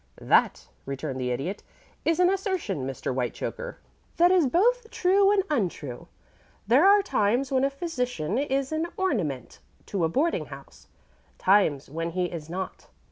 "That," returned the Idiot, "is an assertion, Mr. Whitechoker, that is both true and untrue. There are times when a physician is an ornament to a boarding house; times when he is not.